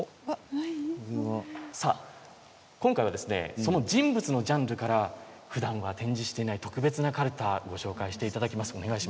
今回は人物のジャンルからふだんは展示していない特別なカルタをご紹介していただきます。